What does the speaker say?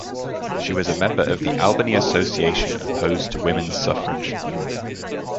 She was a member of the "Albany Association Opposed to Women's Suffrage".